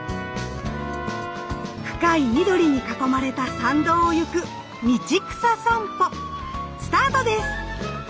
深い緑に囲まれた参道をゆく道草さんぽスタートです。